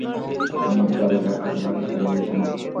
আমি একটু আগেভাগেই চলে গিয়েছিলাম।